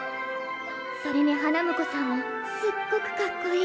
それに花婿さんもすっごくかっこいい！